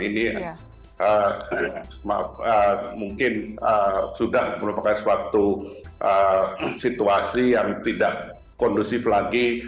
ini mungkin sudah merupakan suatu situasi yang tidak kondusif lagi